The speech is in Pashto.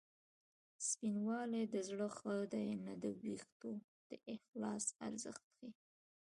سپینوالی د زړه ښه دی نه د وېښتو د اخلاص ارزښت ښيي